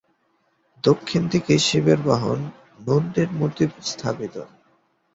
দক্ষিণ দিকে শিবের বাহন নন্দীর মূর্তি স্থাপিত।